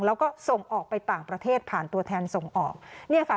แล้วก็ส่งออกไปต่างประเทศผ่านตัวแทนส่งออกเนี่ยค่ะ